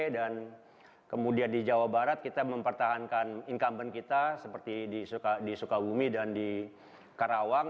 dan kemudian di jawa barat kita mempertahankan incumbent kita seperti di sukawumi dan di karawang